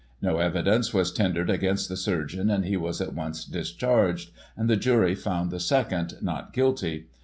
No evidence was tendered against the surgeon, and he was at once discharged, and the jury found the second "Not Guilty."